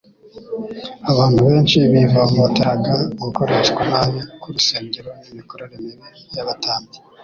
Abantu benshi bivovoteraga gukoreshwa nabi k’urusengero n’imikorere mibi y’Abatambyi.